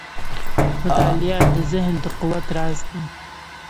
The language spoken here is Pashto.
• مطالعه د ذهن د قوت راز دی.